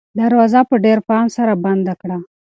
دروازه په ډېر پام سره بنده کړه.